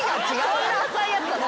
そんな浅いやつなの？